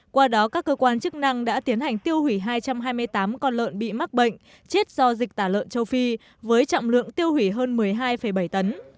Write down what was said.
qua đó các cơ quan chức năng đã tiến hành tiêu hủy hai trăm hai mươi tám con lợn bị mắc bệnh chết do dịch tả lợn châu phi với trọng lượng tiêu hủy hơn một mươi hai bảy tấn